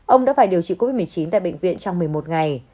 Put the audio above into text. ông đã phải điều trị covid một mươi chín tại bệnh viện trong một mươi một ngày